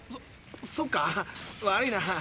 そそっか悪いな。